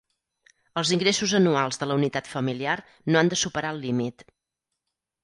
Els ingressos anuals de la unitat familiar no han de superar el límit.